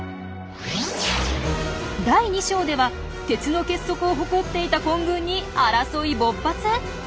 第２章では鉄の結束を誇っていた混群に争い勃発！？